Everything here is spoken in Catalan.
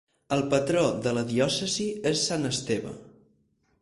El patró de la diòcesi és sant Esteve.